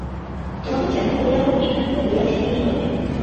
তোমাকে যেমন করিয়া হউক, এখান হইতে লইয়া যাইতেই হইবে।